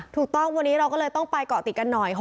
ถูกต้องวันนี้เราก็เลยต้องไปเกาะติดกันหน่อย